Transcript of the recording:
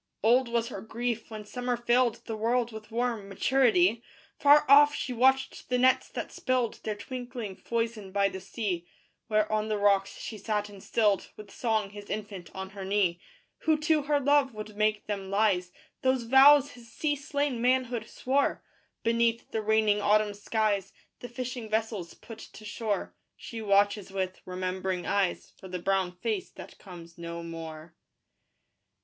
Old was her grief when summer filled The world with warm maturity: Far off she watched the nets that spilled Their twinkling foison by the sea: Where on the rocks she sat and stilled With song his infant on her knee. Who to her love would make them lies Those vows his sea slain manhood swore? Beneath the raining autumn skies The fishing vessels put to shore: She watches with remembering eyes For the brown face that comes no more.